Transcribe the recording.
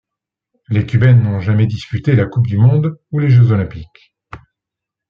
Les Cubaines n'ont jamais disputé la Coupe du monde ou les Jeux olympiques.